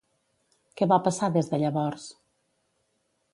Què va passar des de llavors?